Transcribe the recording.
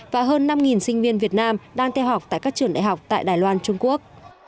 và hơn năm sinh viên việt nam đang theo học tại các trường đại học tại đài loan trung quốc